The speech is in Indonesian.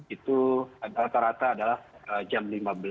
itu rata rata adalah jam lima belas